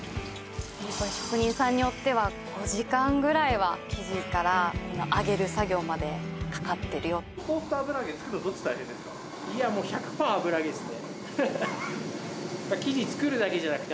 もうこれ職人さんによっては５時間ぐらいは生地からこの揚げる作業までかかってるよすごいねめんどくさいよね